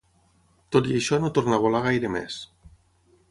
Tot i això no tornà a volar gaire més.